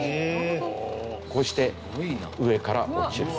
こうして上から落ちる。